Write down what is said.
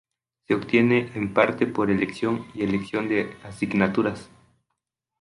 Se obtiene en parte por elección y elección de asignaturas.